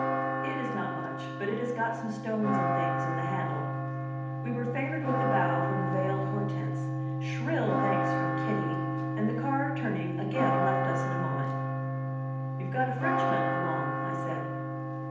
"It is not much, but it has got some stones and things in the handle." We were favored with a bow from the veiled Hortense, shrill thanks from Kitty, and the car, turning, again left us in a moment. "You've got a Frenchman along," I said.